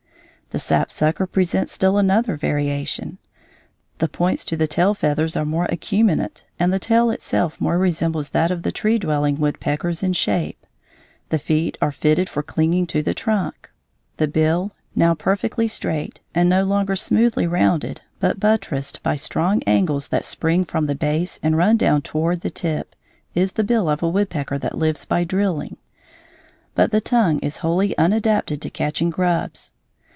The sapsucker presents still another variation. The points to the tail feathers are more acuminate and the tail itself more resembles that of the tree dwelling woodpeckers in shape; the feet are fitted for clinging to the trunk; the bill, now perfectly straight and no longer smoothly rounded but buttressed by strong angles that spring from the base and run down toward the tip, is the bill of a woodpecker that lives by drilling; but the tongue is wholly unadapted to catching grubs.